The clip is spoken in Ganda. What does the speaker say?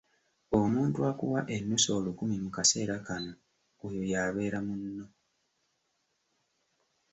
Omuntu akuwa ennusu olukumi mu kaseera kano oyo y’abeera munno.